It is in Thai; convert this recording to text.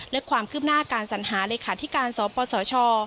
และความคืบหน้าการสัญหาเลขาธิการสปสช